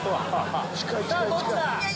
さぁどっちだ